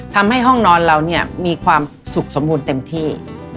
ทำให้ห้องนอนเราเนี่ยมีความสุขสมบูรณ์เต็มที่